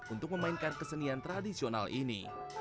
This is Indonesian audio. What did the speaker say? untuk memainkan kesenian tradisional ini